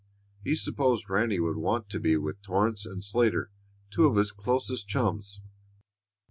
He supposed Ranny would want to be with Torrance and Slater, two of his closest chums.